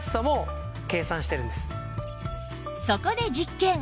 そこで実験